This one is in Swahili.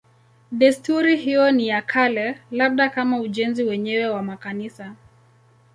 Desturi hiyo ni ya kale, labda kama ujenzi wenyewe wa makanisa.